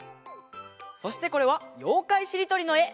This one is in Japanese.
そしてこれは「ようかいしりとり」のえ。